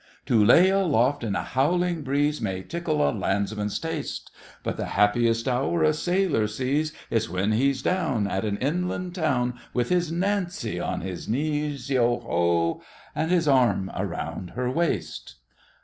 To lay aloft in a howling breeze May tickle a landsman's taste, But the happiest hour a sailor sees Is when he's down At an inland town, With his Nancy on his knees, yeo ho! And his arm around her waist!